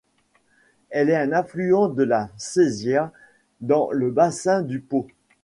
Elle est un affluent de la Sesia dans le bassin du Pô.